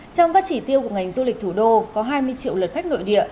trong các chỉ tiêu của ngành du lịch thủ đô có hai mươi triệu lượt khách nội địa